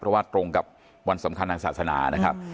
วันสำคัญทางศาสนานะครับ